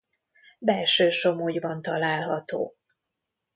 Belső Somogyban található.